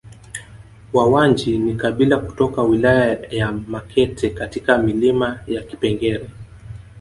Wawanji ni kabila kutoka wilaya ya Makete katika milima ya Kipengere